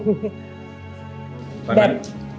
ตอนนั้น